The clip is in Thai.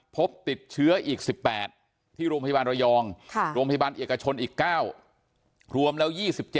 พบติดเชื้ออีก๑๘ที่โรงพยาบาลระยองโรงพยาบาลเอกชนอีก๙รวมแล้ว๒๗